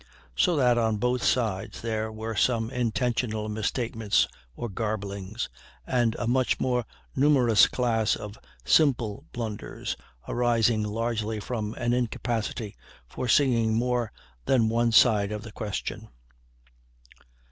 So that on both sides there were some intentional misstatements or garblings, and a much more numerous class of simple blunders, arising largely from an incapacity for seeing more than one side of the question.